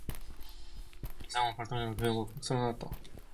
이서방은 벌떡 일어나며 그의 목을 꼭 쓸어안았다.